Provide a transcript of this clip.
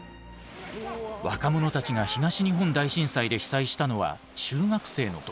若者たちが東日本大震災で被災したのは中学生の時。